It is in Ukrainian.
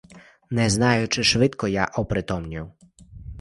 Не знаю, чи швидко я опритомнів.